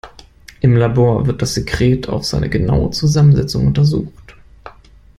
Im Labor wird das Sekret auf seine genaue Zusammensetzung untersucht.